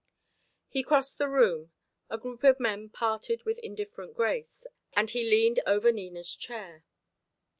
He crossed the room; a group of men parted with indifferent grace, and he leaned over Nina's chair.